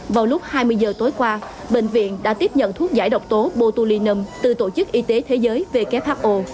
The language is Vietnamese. vào lúc hai mươi giờ tối qua bệnh viện đã tiếp nhận thuốc giải độc tố botulinum từ tổ chức y tế thế giới who